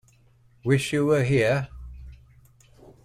Wish You Were Here...?